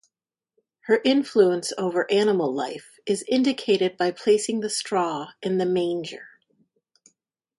Her influence over animal life is indicated by placing the straw in the manger.